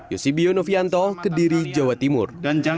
yosibio novianto kediri jawa timur